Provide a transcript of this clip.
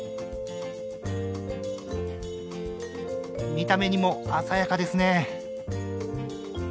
見た目にも鮮やかですね。